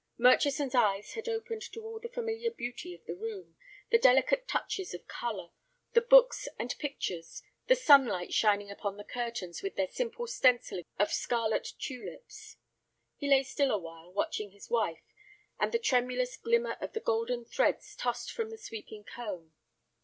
Murchison's eyes had opened to all the familiar beauty of the room, the delicate touches of color, the books and pictures, the sunlight shining upon the curtains with their simple stencilling of scarlet tulips. He lay still awhile, watching his wife, and the tremulous glimmer of the golden threads tossed from the sweeping comb.